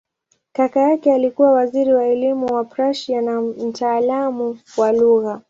Kaka yake alikuwa waziri wa elimu wa Prussia na mtaalamu wa lugha.